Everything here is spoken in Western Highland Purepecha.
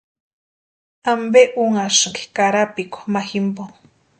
¿Ampe únhasïnki karapikwa ma jimpo?